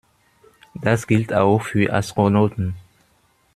Das gilt auch für Astronauten.